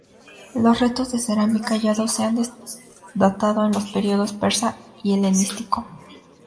Los restos de cerámica hallados se han datado en los periodos persa y helenístico.